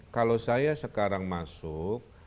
kalau saya sekarang masuk